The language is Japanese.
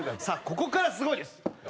さあここからすごいです。